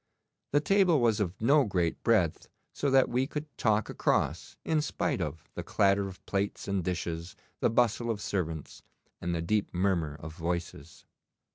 The table was of no great breadth, so that we could talk across in spite of the clatter of plates and dishes, the bustle of servants, and the deep murmur of voices.